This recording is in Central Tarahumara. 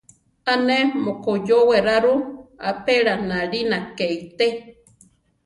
A ne mokoyówe ra ru, apéla nalína ké ité.